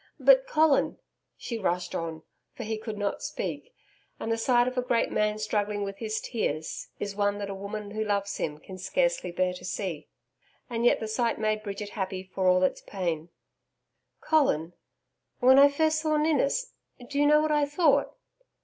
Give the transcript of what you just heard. But Colin ' she rushed on, for he could not speak, and the sight of a great man struggling with his tears is one that a woman who loves him can scarcely bear to see. And yet the sight made Bridget happy for all its pain 'Colin, when I first saw Ninnis, do you know what I thought